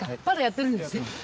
まだやってるんですね？